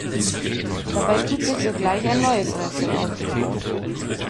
Dabei tut sich sogleich ein neues Rätsel auf.